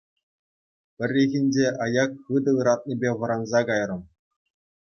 Пӗррехинче аяк хытӑ ыратнипе вӑранса кайрӑм.